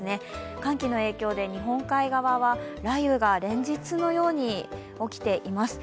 寒気の影響で日本海側は雷雨が連日のように起きています。